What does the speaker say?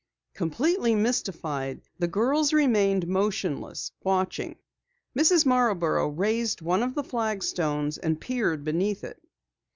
Completely mystified, the girls remained motionless, watching. Mrs. Marborough raised one of the flagstones and peered beneath it.